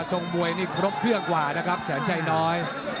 ทรงมวยนี่ครบเครื่องกว่านะครับแสนชัยน้อย